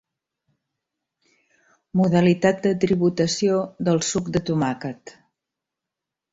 Modalitat de tributació del suc de tomàquet.